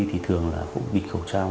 thì thường là cũng bịt khẩu trang